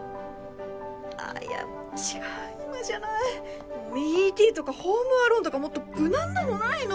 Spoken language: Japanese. あっいや違う今じゃない「Ｅ．Ｔ．」とか「ホーム・アローン」とかもっと無難なのないの？